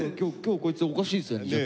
今日こいつおかしいんすよね。